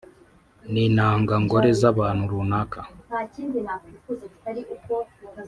n’intanga ngore z’abantu runaka